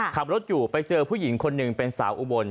ขับรถอยู่ไปเจอผู้หญิงคนหนึ่งเป็นสาวอุบล